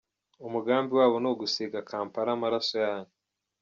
Umugambi wabo ni ugusiga Kampala amaraso yanyu.”